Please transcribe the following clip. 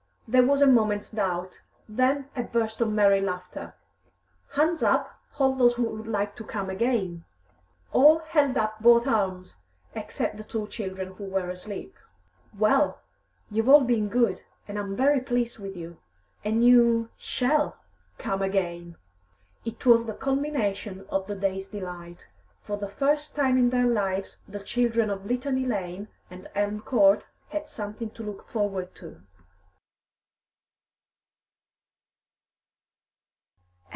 There was a moment's doubt, then a burst of merry laughter. "Hands up, all those who would like to come again!" All held up both arms except the two children who were asleep. "Well, you've all been good, and I'm very pleased with you, and you shall come again!" It was the culmination of the day's delight. For the first time in their lives the children of Litany Lane and Elm Court had something to look forward to.